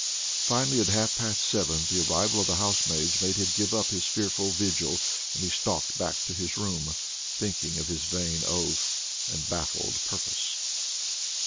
Finally, at half past seven, the arrival of the housemaids made him give up his fearful vigil, and he stalked back to his room, thinking of his vain oath and baffled purpose.